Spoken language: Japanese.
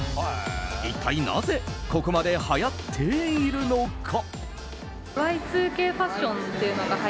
一体なぜここまではやっているのか。